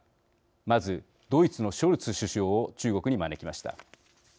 まず、ドイツのショルツ首相を中国に招きました。